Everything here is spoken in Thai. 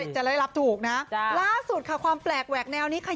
จะได้รับถูกนะล่าสุดค่ะความแปลกแหวกแนวนี้ค่ะ